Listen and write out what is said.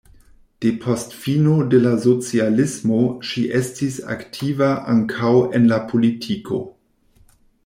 Depost fino de la socialismo ŝi estis aktiva ankaŭ en la politiko.